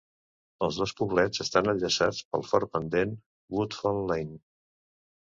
Els dos pobles estan enllaçats pel fort pendent Woodfall Lane.